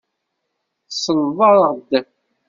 Tselleḍ-aɣ-d?